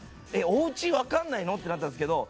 おうちわかんないの？」ってなったんですけど。